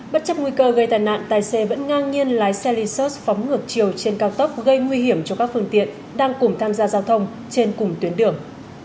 bất chấp nguy cơ gây tai nạn tài xế vẫn ngang nhiên lái xe lesus phóng ngược chiều trên cao tốc gây nguy hiểm cho các phương tiện đang cùng tham gia giao thông trên cùng tuyến đường